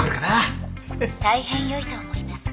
大変よいと思います。